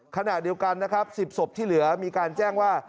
ขณะเดียวกันนะครับ๑๐ศพที่เหลือมีการแจ้งว่า